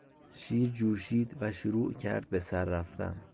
شیر جوشید و شروع کرد به سر رفتن.